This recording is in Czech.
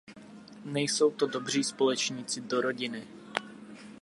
Nejsou to dobří společníci do rodiny.